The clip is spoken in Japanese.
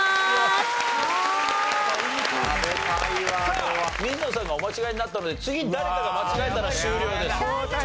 さあ水野さんがお間違えになったので次誰かが間違えたら終了です。